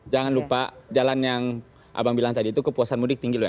jangan lupa jalan yang abang bilang tadi itu kepuasan mudik tinggi loh